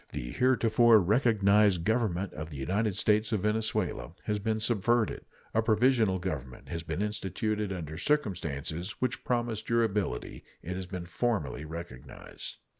The heretofore recognized Government of the United States of Venezuela has been subverted. A provisional government having been instituted under circumstances which promise durability, it has been formally recognized.